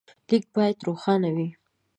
لیک باید روښانه وي.